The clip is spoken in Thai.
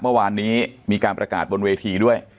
เมื่อวานนี้มีการประกาศบนเวทีด้วย